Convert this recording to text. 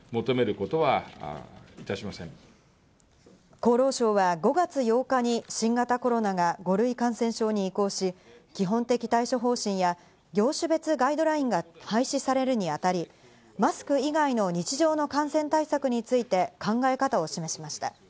厚労省は５月８日に新型コロナが５類感染症に移行し、基本的対処方針や業種別ガイドラインが廃止されるにあたり、マスク以外の日常の感染対策について考え方を示しました。